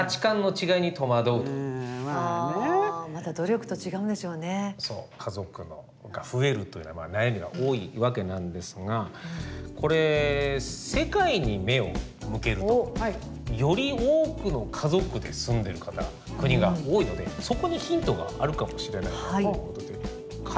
行ってみたけども家族が増えるというのは悩みが多いわけなんですがこれ世界に目を向けるとより多くの家族で住んでる方国が多いのでそこにヒントがあるかもしれないということで。